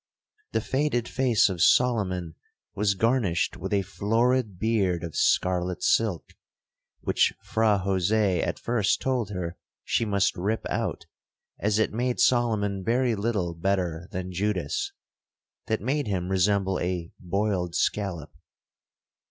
The faded face of Solomon was garnished with a florid beard of scarlet silk (which Fra Jose at first told her she must rip out, as it made Solomon very little better than Judas) that made him resemble a boiled scallop.